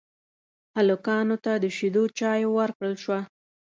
هلکانو ته د شيدو چايو ورکړل شوه.